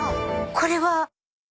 これは。